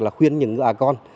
là khuyên những người con